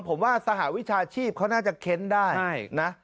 ผมว่าสหวิชาชีพเขาน่าจะเค้นได้นะ